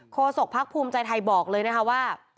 โคสกภักดิ์ภูมิใจไทยบอกเลยว่า